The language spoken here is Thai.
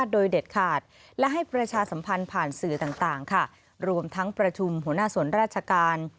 โดยเด็ดขาดและให้ประชาสัมพันธ์ผ่านสื่อต่างค่ะรวมทั้งประชุมหัวหน้าส่วนราชการ